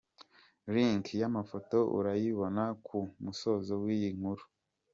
Link y’ amafoto urayibona ku musozo w’ iyi nkuru.